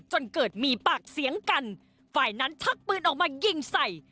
จนเกิดมีปากเสียงกันฝ่ายนั้นชักปืนออกมายิงใส่